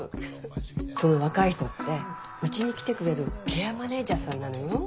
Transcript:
その若い人って家に来てくれるケアマネジャーさんなのよ。